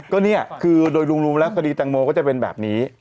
ก็เนี่ยคือโดยรวมแล้วคดีแตงโมก็จะเป็นแบบนี้